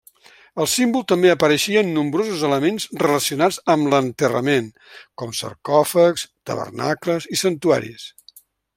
El símbol també apareixia en nombrosos elements relacionats amb l'enterrament, com sarcòfags, tabernacles i santuaris.